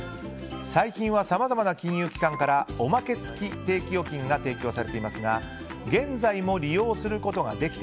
最近は、さまざまな金融機関からおまけ付き定期預金が提供されていますが現在も利用することができて